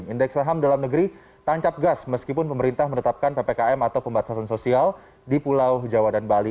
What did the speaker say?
indeks saham dalam negeri tancap gas meskipun pemerintah menetapkan ppkm atau pembatasan sosial di pulau jawa dan bali